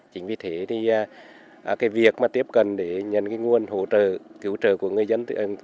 chính vì thế thì cái việc mà tiếp cận để nhận cái nguồn hỗ trợ cứu trợ của người dân